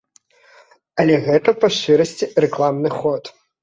Але гэта, па шчырасці, рэкламны ход.